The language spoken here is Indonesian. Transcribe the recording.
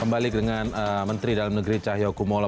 kembali dengan menteri dalam negeri cahayao kumulo